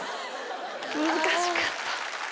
難しかった。